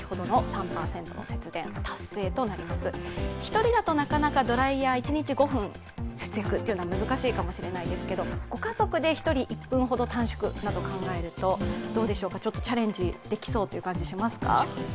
１人だとなかなかドライヤー一日５分節約は難しいかもしれませんけどご家族で１人１分ほど短縮などと考えるとちょっとチャレンジできそうという感じしますか？